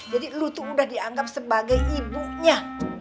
jadi lu tuh udah dianggap sebagai ibunya